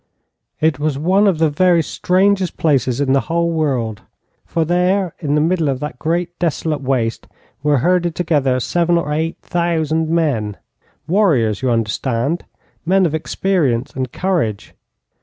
It was one of the very strangest places in the whole world, for there, in the middle of that great desolate waste, were herded together seven or eight thousand men warriors, you understand, men of experience and courage.